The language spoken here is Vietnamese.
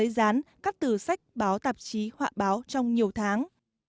dán các từ sách báo tạp chí họa báo trong nhiều tháng